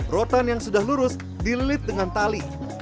rotan yang sudah lurus dililit dengan tali